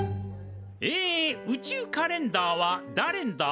え宇宙カレンダーはだれんだ？